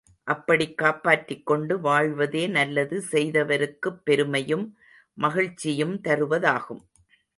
அப்படிக் காப்பாற்றிக் கொண்டு வாழ்வதே நல்லது செய்தவருக்குப் பெருமையும் மகிழ்ச்சியும் தருவதாகும்.